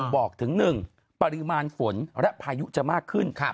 บอกถึง๑ปริมาณฝนและพายุจะมากขึ้น